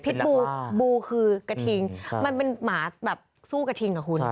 บูคือกระทิงมันเป็นหมาแบบสู้กระทิงอ่ะคุณ